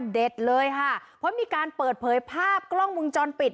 เลยค่ะเพราะมีการเปิดเผยภาพกล้องมุมจรปิด